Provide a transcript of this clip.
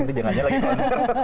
nanti jangan aja lagi konser